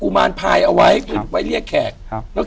กุมารพายคือเหมือนกับว่าเขาจะมีอิทธิฤทธิ์ที่เยอะกว่ากุมารทองธรรมดา